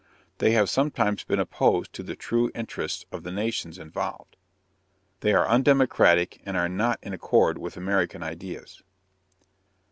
They have sometimes been opposed to the true interests of the nations involved. They are undemocratic, and are not in accord with American ideas.